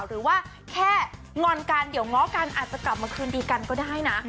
หรือว่าแค่งอนกันเดี๋ยวง้อกันอาจจะกลับมาคืนดีกันก็ได้นะ